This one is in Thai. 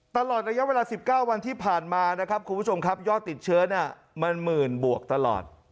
ตลอดระยะเวลา๑๙วันที่ผ่านมายอดติดเชื้อมันหมื่นบวกตลอด